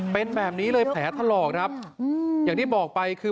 เป็นแบบนี้เลยแผลถลอกครับอย่างที่บอกไปคือ